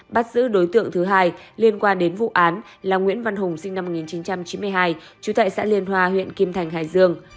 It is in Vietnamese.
bắt giữ đối tượng thứ hai liên quan đến vụ án là nguyễn văn hùng sinh năm một nghìn chín trăm chín mươi hai trú tại xã liên hòa huyện kim thành hải dương